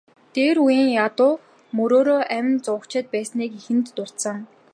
Дээр үеийн ядуу мөрөөрөө амь зуугчид байсныг эхэнд дурдсан.